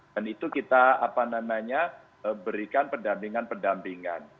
dan itu kita berikan pendampingan pendampingan